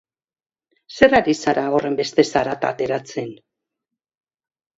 Zer ari zara, horrenbeste zarata ateratzen?